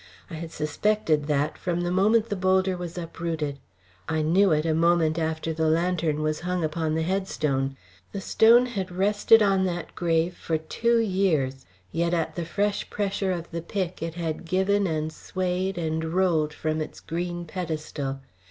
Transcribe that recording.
I had suspected that from the moment the boulder was uprooted; I knew it a moment after the lantern was hung upon the headstone. The stone had rested on that grave for two years, yet at the fresh pressure of the pick it had given and swayed and rolled from its green pedestal.